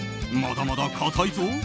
まだまだ硬いぞ！